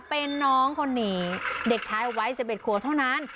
เป็นน้องคนนี้เด็กชายวัย๑๑ขวบเท่านั้น